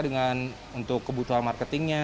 dengan untuk kebutuhan marketingnya